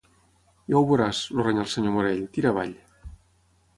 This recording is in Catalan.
Ja ho veuràs —el renya el senyor Morell—, tira avall.